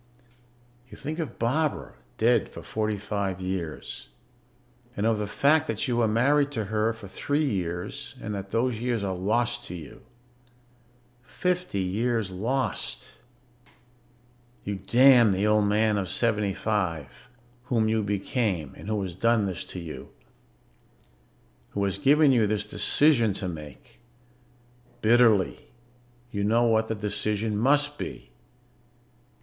You think of Barbara dead for forty five years. And of the fact that you were married to her for three years and that those years are lost to you. Fifty years lost. You damn the old man of seventy five whom you became and who has done this to you ... who has given you this decision to make. Bitterly, you know what the decision must be.